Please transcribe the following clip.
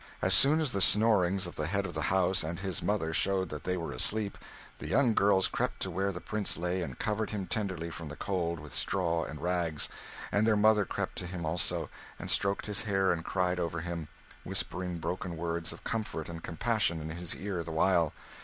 As soon as the snorings of the head of the house and his mother showed that they were asleep, the young girls crept to where the Prince lay, and covered him tenderly from the cold with straw and rags; and their mother crept to him also, and stroked his hair, and cried over him, whispering broken words of comfort and compassion in his ear the while.